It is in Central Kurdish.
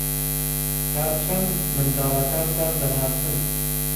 تا چەند منداڵەکانتان دەناسن؟